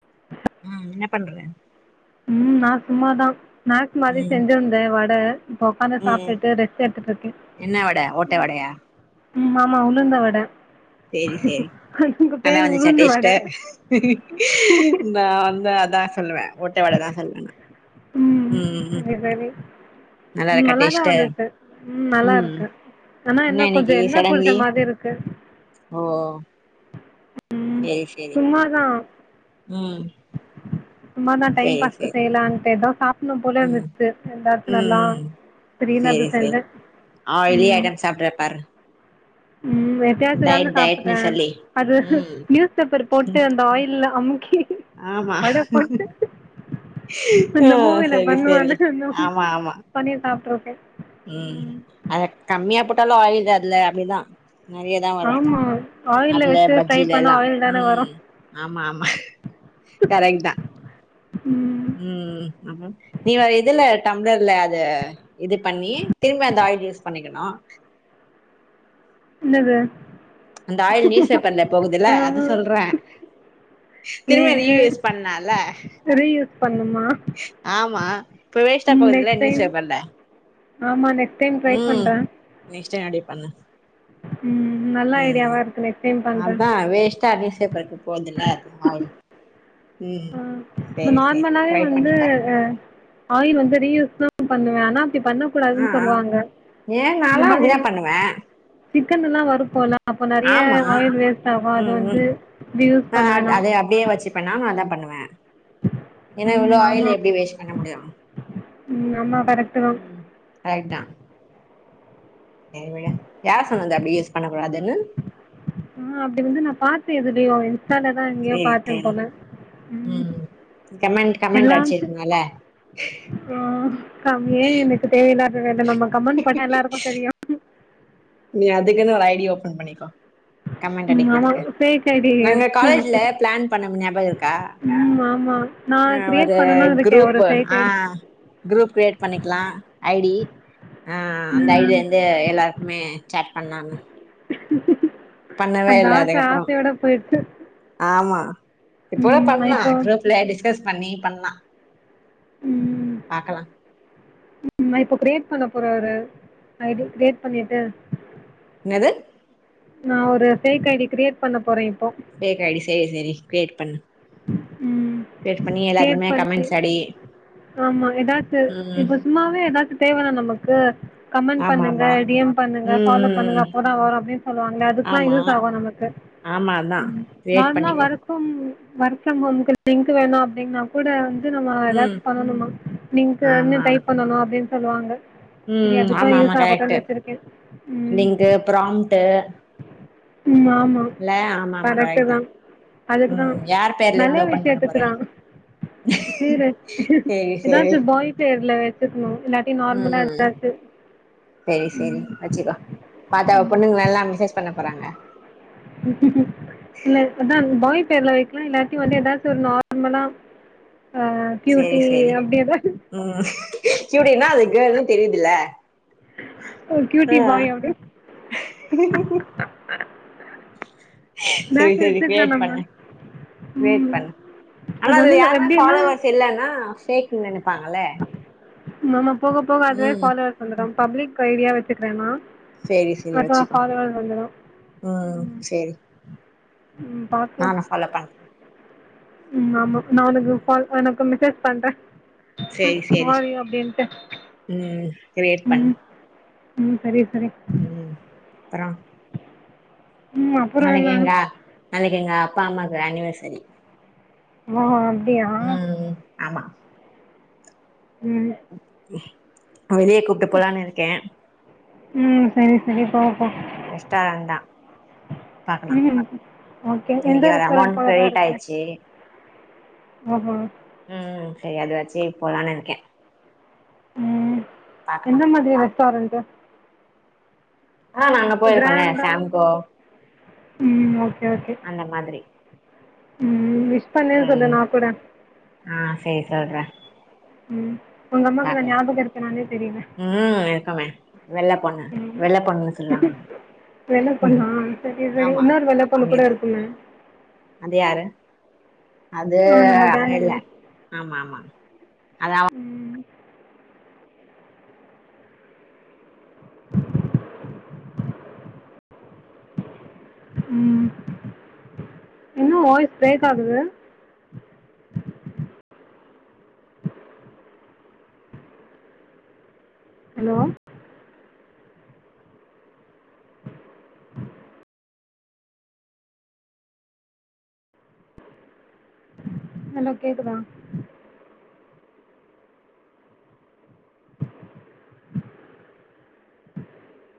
[unintelligible] ம் என்ன பண்ற ம் நா சும்மாதா ஸ்நாக்ஸ் மாரி ம் செஞ்சு அந்த வட இப்ப உக்காந்து ம் சாப்ட்டுட்டு ரெஸ்ட் எடுத்துட்ருக்கே என்ன வட ஓட்ட வடயா ஆமாமா உளுந்த வட சேரி சேரி அதுக்கு நல்லா பேரு வந்துச்சா உளுந்து வட டேஸ்ட்டு நா வந்து அதா சொல்லுவே ஓட்ட வட தா சொல்லுவே நா ம் செரி செரி நல்லா ம் இருக்கா நல்லாதா டேஸ்ட்டு வந்துருக்கு நல்லா ம் இருக்கு ஆனா என்ன கொஞ்சோ இன்னைக்கு எண்ணெ புடிச்ச சடன்லி மாதி இருக் கு ஓ சேரி சேர் சும்மா தா ம் சும்மாதா டைம் சேரி பாஸ்க்கு சேரி செய்யலான்ட்டு எதா சாப்பிட்னு போல ம் இருந்துச்சு எந்தாச்சு நல்லா ம் ம் தீடீர்னு அத சேரி சேரி செஞ்சே ஆயிலி ம் ஐட்டம் சாப்ட்ற பாரு ம் டேஸ்ட்டு தானு டயட் டயட்னு சாப்புட்டே சொல்லி அது ம் நியூஸ் பேப்பர் போட்டு அந்த ஆயில அமுக்கி ஆமா வடப்போச்சே ஆ அந்த மூவில சேரி சேரி பண்ணுவான்ல அந்த மாரி ஆமா ஆமா பண்ணி சாப்ட்டுருக்கே ம் அத கம்மியா போட்டாலு ஆயில் அதுல அப்டிதா நெறைய தா வரு ஆமா ஆயில்ல அதுல வச்சு ஃப்ரை பஜ்ஜில பண்ணா எல்லா ஆயில் தான வரு ம் ஆமா ஆமா கரெட் தா ம் ம் அப்றோ நீ எதுல டம்ளர்ல அது இது பண்ணி திரும்பி அந்த ஆயில் யூஸ் பண்ணிக்கணு என்னது அந்த ஆயில் நியூஸ் பேப்பர்ல ஆ போகுதுல்ல அத சொல்றே ஏ திரும்ப ரீயூஸ் பண்ணாலல்ல ரீயூஸ் பண்ணுமா ஆமா இப்ப வேஸ்ட்டா போகுதுல்ல நியூஸ் பேப்பர்ல ஆமாண்ணே ம் நெக்ஸ்ட் டைம் அப்டி பண்ணு ம் நல் ம் அதா வேஸ்ட் டா [unintelligible] போதுல்ல அதா ஆயில் ம் இப்ப சேரி சேரி நார்மலவே ட்ரை வந்து பண்ணிப்பாரு ஆயில் வந்து ரீயூஸ் தா பண்ணுவே ஆனா அப்டி பண்ண ஆ கூடாதுன் ஆ சொல்லுவாங்க ஏ இந்த நாலா மாத்ரி அப்டிதா பண்ணுவே சிக்கனெல்லா வறுப்போல அப்போ நெறைய ஆமா ஆயில் வேஸ்ட்டாகு அது ம் வந்து ம் ரீயூஸ் பண்ணுவே நா அப்டியே வெச்சுப்பே நானு அதா பண்ணுவே ஏனா இவ்ளோ ம் ஆயில் ஆமாம் எப்டி வேஸ்ட் பண்ண முடியு ம் ஆமாம் கரெக்ட்டு தான் ம் ரைட் தா செரி விடு யார் சொன்னது அப்டி யூஸ் பண்ணக்கூடாதுன்னு ஆ அப்டி வந்து நா பாத்தே எதுலியோ இன்ஸ்டால தா எங்கியோ சேரி பாத்தே சேரி போல ம் கமெண்ட் கமெண்ட் எல்லா [unintelligible] அடிச்சிருக்குங்கல்ல அப்றோ கம் ஏ எனக்கு தேவையில்லத வேல நம்ம கமண்ட் போட்ட எல்லாருக்கு தெரியு நீ அதுக்குன்னு ஒரு ஐடிய ஓபன் பண்ணிக்கோ கமெண்ட் ம் ஆமாம் அடிக்கிறதுக்கு ஃபேக் ஐடி நாங்க எடுத்து காலேஜ்ல வச்சு பிளான் பண்ணமே ஞாபக இருக்கா ம் ஆமா நா அ கிரியேட் ஒரு பண்ணனு இருக்கே ஒரு குரூப் ஃபேக் ஆ ஐ டி குரூப் கிரியேட் பண்ணிக்கலா ஐ டி ஆ அந்த ஐ டி ம் வந்து எல்லாருக்குமே சாட் பண்லானு அந்த இல்ல ஆச அதுக்கப்புறோ ஆசையோட போயிருச்சு ஆமா இப்பவே நா பண்லா இப்போ குரூப்ல டிஸ்கஸ் பண்ணி பண்லா உம் பாக்கலா இப்போ கிரியேட் பண்ண போறாரு ஐ டி கேட் பண்ணிட்டு என்னது நா ஒரு பேஃக் ஐ டி கிரியேட் பண்ண போறே இப்போ பேஃக் ஐ டி சேரி சேரி கிரியேட் பண்ணு உம் ஷேர் பண்ணி எல்லாத்துமே கமெண்ட்ஸ் அடி ஆமா ஏதாச்சு ம் இப்ப சும்மாவே ஏதாச்சு தேவைல நமக்கு கமெண்ட் ஆமா பண்ணுங்க ஆமா ஐ டி யம் பண்ணுங்க ம் பாலோ ம் பண்ணுங்க ம் அப்போதா வரு அப்டின்னு சொல்லுவாங்க அதுக்கெல்லா ஆமா யூஸ் ஆகு நமக்கு ஆமா அதா கிரியேட் நார்மலா பண்ணிக்கோ ஒர்க் ம் ஒர்க் ம் ஹம் லிங்க் வேணு அப்டினா கூட வந்து நாம ம் ஏதாது பண்ணனுமா நீங்க என்ன ஆமா ஆமா டைப் பண்ணனு அப்டின்னு சொல்லுவாங்க இது ம் அதுக்லா ஆமா ஆமா யூஸ் ஆகட்டுனு கரெக்ட்டு வெச்சிருக்கே உம் லிங்க்கு ப்ராம்ட்டு உம் ஆம்மா இல்ல ஆமா ஆமா கரெக்டு கரெக்ட் தா அதுக்குதா ம் யார் பேர்ல நல்ல இருந்து ஓபன் பண்ண போற விசயத்துக்குதா பேர் வெச்சு சேரி சேரி ஏதாச்சு பாய் பேர்ல வெச்சுக்கணு இல்ல ம் நார்மலா ம் இருக்காது சேரி சேரி வச்சுக்கோ பாத்தா ஆமாம் பொண்ணுங்கல்லா மெசேஜ் பண்ண போறாங்க இல்ல அதா பாய் பேர்ல வைக் லா இல்லாட்டி வந்து ஏதாச்சு வந்து ஒரு நார்மலா ஹ சேரி சேரி ம் இப்டினா அதுக்குனு தெரியுதுல ஒரு ஆ கியூட்டி பாய் அவ்ரு சரி பேக்ல சரி வச்சுக்கலாம் கிரியேட் நம்ம பண்ணு கிரியேட் ம் பண்ணு ஆனா அது அதுல வந்து இந்த யாருமே எப்படின்னா ஃபாலோவர்ஸ் இல்லன்னா பேஃக்கு நெனைப்பாங்கல்ல நாம போக போக அதுவே ம் ஃபாலோவர்ஸ் வந்துரு பப்ளிக் ஐ டி யா வச்சுக்கிறேனா சேரி சேரி அப்ப வச்சுக்கோ ஃபாலோவர்ஸ் வந்துரு ம் சேரி ம் பாப்போ அவ்ளோதா ம் ஆமா நா உனக்கு கால் [unintelligible] மெசேஜ் பண்றே சேரி சேரி வாரிய அப்டின்ட்டு ம் கிரியேட் உம் ம் சரி சரி உம் அப்புறம் ம் அப்புறம் நாளைக் என்ன எங்க நாளைக்கு எங்க அப்பா அம்மாக்கு ஏனிவர்சரி மம அப்டியா உம் ஆமா ம் வெளியே கூப்ட்டு போலான்னு இருக்கே உம் சரி சரி பாப்போ ரெஸ்டாரண்ட் தா பாக்கலா ம் ஓகே எந்த இன்னைக்கு வேற ரெஸ்டாரண்ட் அமௌண்ட் போலதா கிரெடிட் இருக்கே ஆயிடுச்சு ஆமா ம் செரி அது வச்சு இப்போதா நெக்கே ம் பாக்கலா எந்த மாதிரியான ரெஸ்டாரன்ட்டு ஆ நாங்க போயிருக்கோல்ல கேராண்ட சாம்கோ ம் ஓகே ஓகே அந்த மாதிரி ம் விஷ் பண்ணேனு சொல்லு ம் நா கூட ஆ சரி சொல்றே ம் உங்க அம்மாக்கு நா பாக்கலா ஞாபக இருக்னானே தெரில ம் இருக்குமே வெள்ள பொண்ணு வெள்ள பொண்ணுன்னு சொல்லுவாங்க வெள்ள பொண்ணா செரி செரி இன்னொரு வெள்ள பொண்ணு கூட இருக்குமே அதுயாரு அது ஆ நம்ம அதுயில்ல கேங்கு ஆமா ஆமா அது ம் அ ம் என்ன வாய்ஸ் பிரேக் ஆகுது ஹலோ ஹலோ கேக்தா